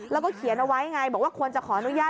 แล้วก็เขียนเอาไว้ไงบอกว่าควรจะขออนุญาต